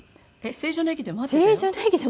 成城の駅で待ってた。